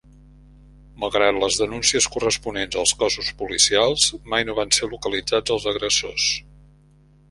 Malgrat les denúncies corresponents als cossos policials, mai no van ser localitzats els agressors.